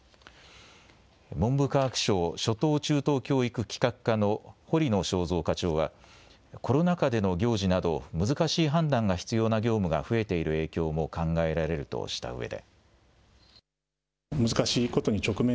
文部科学省初等中等教育企画課の堀野晶三課長はコロナ禍での行事など難しい判断が必要な業務が増えている影響も考えられるとしたうえで。